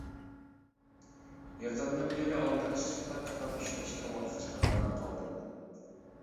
يېقىندىن بىرى ئالدىراشچىلىقتا كىتاب ئىشلەشكە ۋاقىت چىقىرالماي قالدىم.